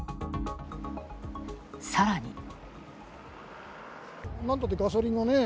さらに。